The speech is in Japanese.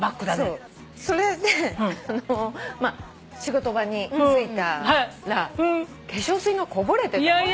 そうそれで仕事場に着いたら化粧水がこぼれてたのね。